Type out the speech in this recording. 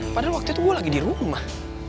padahal waktu itu gue lagi di rumah